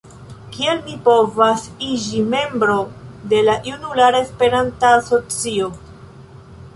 Kiel mi povas iĝi membro de la junulara Esperantista asocio?